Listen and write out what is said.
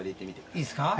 いいですか？